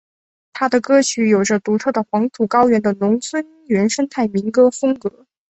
他的歌曲有着独特的黄土高原的农村原生态民歌风格。